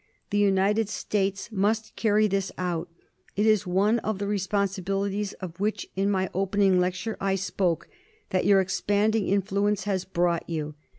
The United States must carry this out. It is one of the responsibilities, of which in my opening lecture I spoke, that your expanding influ ence has brought you.